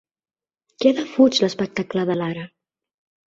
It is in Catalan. Què defuig l'espectacle de Lara?